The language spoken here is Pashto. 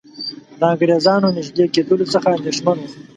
د انګریزانو نیژدې کېدلو څخه اندېښمن وو.